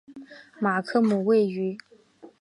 马克姆位于。